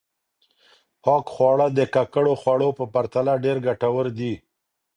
پاک خواړه د ککړو خوړو په پرتله ډېر ګټور دي.